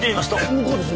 向こうです。